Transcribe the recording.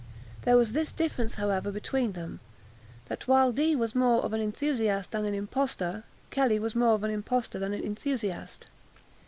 There was this difference, however, between them, that, while Dee was more of an enthusiast than an impostor, Kelly was more of an impostor than an enthusiast.